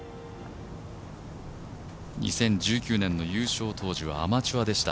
２０１０年の優勝当時はアマチュアでした。